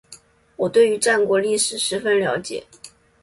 我对于战国历史十分了解